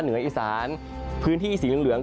เหนืออีสานพื้นที่สีเหลือง